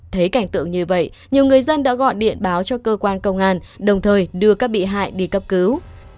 thấy cảnh tượng như vậy nhiều người dân đã gọi điện báo cho cơ quan công an đồng thời đưa các bị hại đi cấp cứu